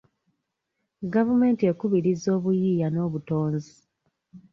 Gavumenti ekubiriza obuyiiya n'obutonzi.